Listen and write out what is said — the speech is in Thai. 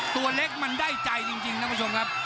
ตัวเล็กมันได้ใจจริงท่านผู้ชมครับ